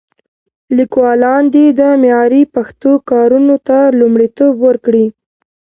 لیکوالان دې د معیاري پښتو کارونو ته لومړیتوب ورکړي.